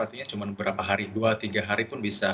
artinya cuma beberapa hari dua tiga hari pun bisa